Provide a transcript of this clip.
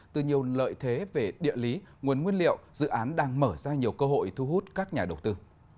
từ nhiều lợi thế về địa lý nguồn nguyên liệu dự án đang mở ra nhiều cơ hội thu hút các nhà đầu tư